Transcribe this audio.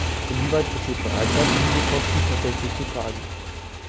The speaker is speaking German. Inwieweit besteht Bereitschaft, diese Kosten tatsächlich zu tragen?